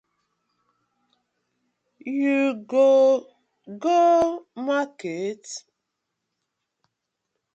You go go market?